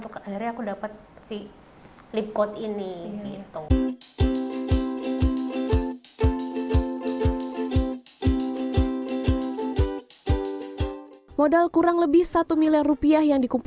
akhirnya aku dapat si lip coat ini gitu